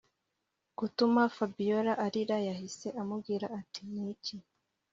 gutuma fabiora arira yahise amubwira ati” niki